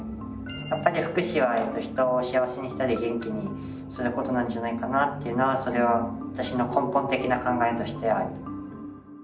やっぱり福祉は人を幸せにしたり元気にすることなんじゃないかなっていうのはそれは私の根本的な考えとしてある。